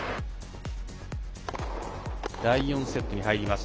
第４セットに入ります。